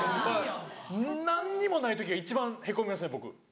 何にもない時が一番凹みますね僕。